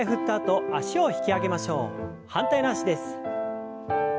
反対の脚です。